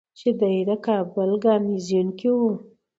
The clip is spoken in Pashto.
چې دی د کابل ګارنیزیون کې ؤ